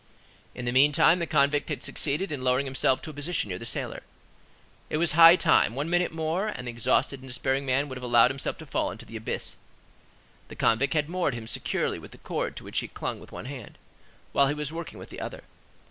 In the meantime, the convict had succeeded in lowering himself to a position near the sailor. It was high time; one minute more, and the exhausted and despairing man would have allowed himself to fall into the abyss. The convict had moored him securely with the cord to which he clung with one hand, while he was working with the other.